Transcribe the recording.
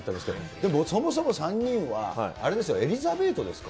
でもそもそも３人は、あれですよ、エリザベートですか。